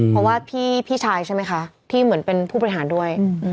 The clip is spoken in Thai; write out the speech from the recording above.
เพราะว่าพี่ชายใช่ไหมคะที่เหมือนเป็นผู้บริหารด้วย